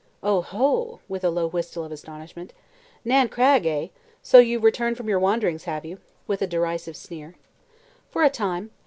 "Oh ho!" with a low whistle of astonishment. "Nan Cragg, eh! So you've returned from your wanderings, have you?" with a derisive sneer. "For a time.